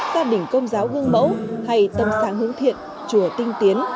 gia đình công giáo gương mẫu hay tâm sáng hướng thiện chùa tinh tiến